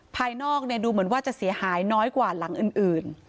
ภายนอกดูเหมือนว่าจะเสียหายน้อยกว่าหลังอื่น